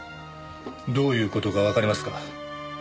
どういう事かわかりますか？